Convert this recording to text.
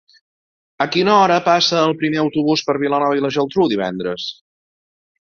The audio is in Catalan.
A quina hora passa el primer autobús per Vilanova i la Geltrú divendres?